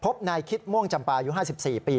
พบนายคิดม่วงจำปายุ๕๔ปี